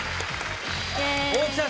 大木さん。